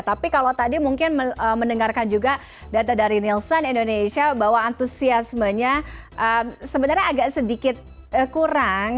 tapi kalau tadi mungkin mendengarkan juga data dari nielsen indonesia bahwa antusiasmenya sebenarnya agak sedikit kurang